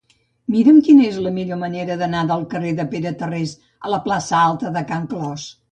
Mira'm quina és la millor manera d'anar del carrer de Pere Tarrés a la plaça Alta de Can Clos.